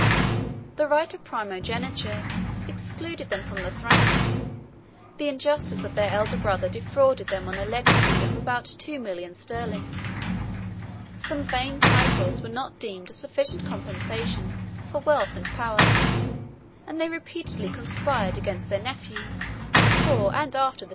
The right of primogeniture excluded them from the throne; the injustice of their elder brother defrauded them of a legacy of about two millions sterling; some vain titles were not deemed a sufficient compensation for wealth and power; and they repeatedly conspired against their nephew, before and after the death of his father.